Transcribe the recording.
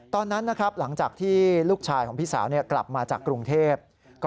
ตอนนั้นนะครับหลังจากที่ลูกชายของพี่สาวกลับมาจากกรุงเทพ